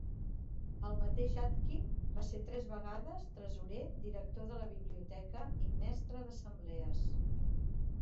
El mateix Atkin va ser tres vegades tresorer, director de la biblioteca i mestre d'assemblees.